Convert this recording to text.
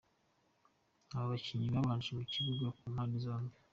Uko abakinnyi babanje mu kibuga ku mpanze zombi: